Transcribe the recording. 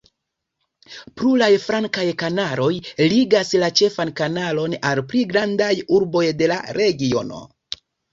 Pluraj flankaj kanaloj ligas la ĉefan kanalon al pli grandaj urboj de la regiono.